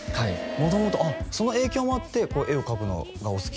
元々あっその影響もあって絵を描くのがお好き？